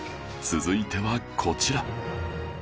続いてはこちら